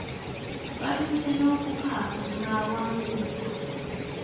Baatuuse n’okukaaba ng’awanguddwa.